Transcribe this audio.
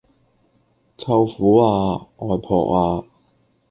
舅父呀！外婆呀！